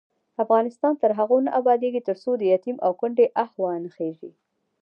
افغانستان تر هغو نه ابادیږي، ترڅو د یتیم او کونډې آه وانه خیژي.